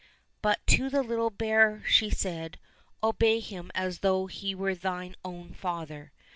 But to the little bear she said, " Obey him as though he were thine own father."